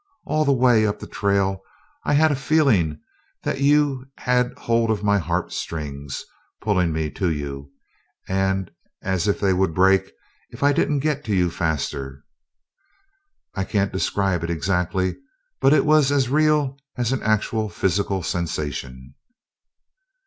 All the way up the trail I had a feeling that you had hold of my heartstrings pulling me to you, and as if they would break if I didn't get to you faster. I can't describe it exactly, but it was as real as an actual physical sensation."